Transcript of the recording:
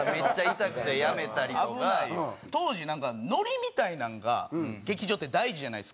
当時なんかノリみたいなんが劇場って大事じゃないですか。